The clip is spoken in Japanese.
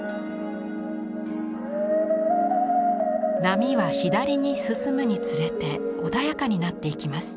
波は左に進むにつれて穏やかになっていきます。